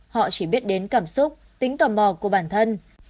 họ chỉ biết đến cảm xúc tính tò mò của bản thân